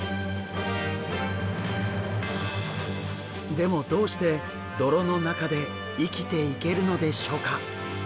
でもどうして泥の中で生きていけるのでしょうか？